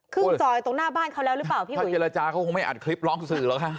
จอยตรงหน้าบ้านเขาแล้วหรือเปล่าพี่เขาเจรจาเขาคงไม่อัดคลิปร้องสื่อหรอกค่ะ